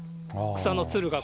草のつるが。